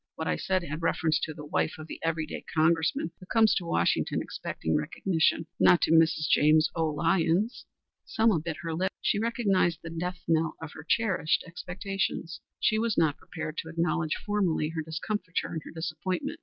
What I said had reference to the wife of the every day Congressman who comes to Washington expecting recognition. Not to Mrs. James O. Lyons." Selma bit her lip. She recognized the death knell of her cherished expectations. She was not prepared to acknowledge formally her discomfiture and her disappointment.